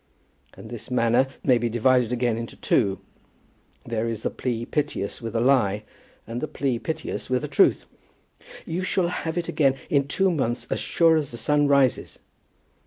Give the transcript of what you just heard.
And this manner may be divided again into two. There is the plea piteous with a lie, and the plea piteous with a truth. "You shall have it again in two months as sure as the sun rises."